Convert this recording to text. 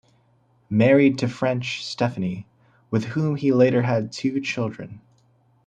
Married to French Stefani, with whom he later had two children.